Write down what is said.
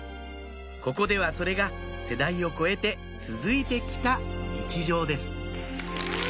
ここではそれが世代を超えて続いてきた日常ですあぁ